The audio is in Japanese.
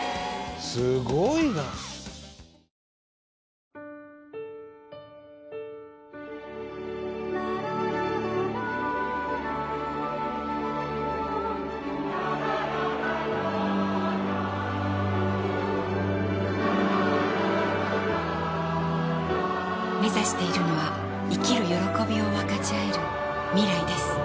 ラララめざしているのは生きる歓びを分かちあえる未来です